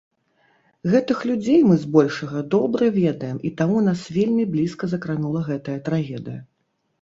Гэтых людзей мы, збольшага, добра ведаем, і таму нас вельмі блізка закранула гэтая трагедыя.